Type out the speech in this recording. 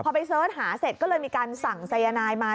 พอไปเสิร์ชหาเสร็จก็เลยมีการสั่งสายนายมา